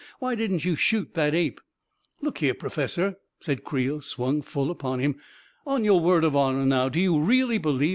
" Why didn't you shoot that ape ?" "Look here, Professor," and Creel swung full upon him, " on your word of honor, now, do you really believe it was an ape?